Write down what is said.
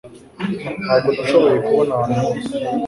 Ntabwo nashoboye kubona ahantu hose